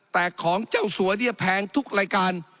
แต่ของเจ้าสัวเนี่ยแพงทุกรายการ